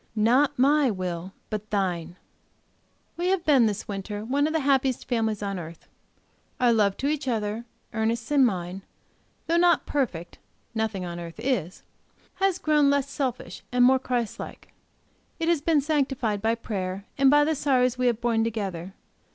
Not my will! But Thine!" We have been, this winter, one of the happiest families on earth. Our love to each other, Ernest's and mine, though not perfect nothing on earth is has grown less selfish, more Christ like; it has been sanctified by prayer and by the sorrows we have borne together.